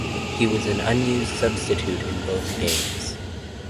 He was an unused substitute in both games.